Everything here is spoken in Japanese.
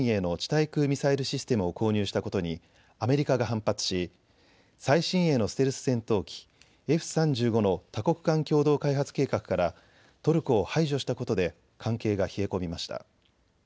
対空ミサイルシステムを購入したことにアメリカが反発し最新鋭のステルス戦闘機Ｆ３５の多国間共同開発計画からトルコを排除したことで関係が冷え込みました。